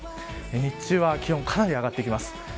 日中は気温かなり上がってきます。